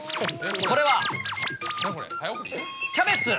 それは、キャベツ。